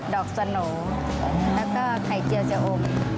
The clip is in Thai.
อกสโหน่แล้วก็ไข่เจียวจะอม